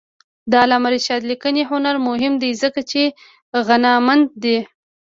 د علامه رشاد لیکنی هنر مهم دی ځکه چې غنامند دی.